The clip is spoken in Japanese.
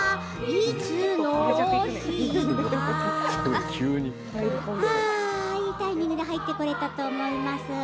いいタイミングで入ってこれたと思います。